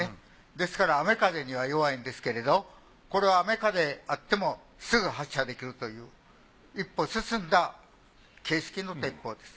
ですから雨風には弱いんですけれどこれは雨風あってもすぐ発射できるという一歩進んだ形式の鉄砲です。